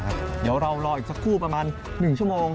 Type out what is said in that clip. เดี๋ยวเรารออีกดีกว่า๑ชั่วโมง